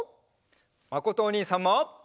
まことおにいさんも！